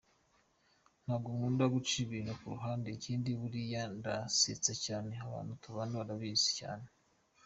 Ntabwo nkunda guca ibintu ku ruhande, ikindi buriya ndasetsa cyane abantu tubana barabizi cyane.